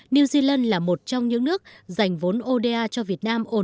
new zealand là một trong những nước dành vốn oda cho việt nam